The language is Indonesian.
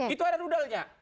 itu ada rudalnya